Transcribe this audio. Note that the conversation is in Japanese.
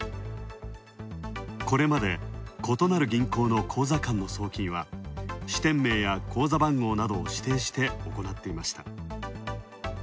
これまで異なる口座間の送金は支店名や口座番号などを指定して行っていました。